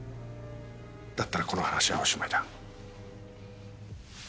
だったらこの話はおしまいだ。